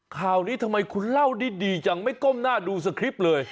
ข่าวนี้ทำไมคุณเล่าได้ดีจังไม่ก้มหน้าดูสคริปต์เลย